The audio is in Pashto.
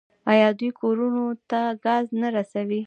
آیا دوی کورونو ته ګاز نه رسوي؟